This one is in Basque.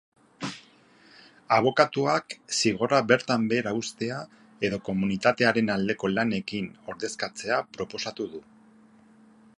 Abokatuak zigorra bertan behera uztea edo komunitatearen aldeko lanekin ordezkatzea proposatu du.